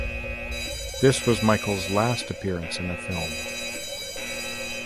This was Michael's last appearance in a film.